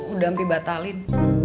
udah hampir batalin